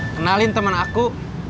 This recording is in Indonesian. kenalin temen aku